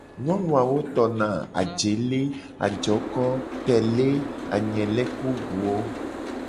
Nyonu awo tona : ajele, ajoko, tele, anyele ku buwo.